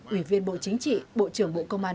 ủy viên bộ chính trị bộ trưởng bộ công an